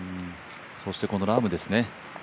そしてこのラームですね。